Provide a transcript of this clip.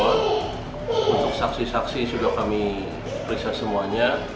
untuk saksi saksi sudah kami periksa semuanya